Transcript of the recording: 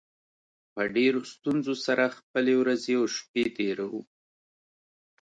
په ډېرو ستونزو سره خپلې ورځې او شپې تېروو